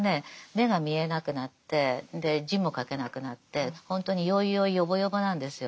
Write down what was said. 目が見えなくなって字も書けなくなってほんとによいよいよぼよぼなんですよ。